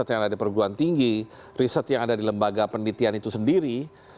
yang ada di perguruan tinggi riset yang ada di lembaga penelitian itu sendiri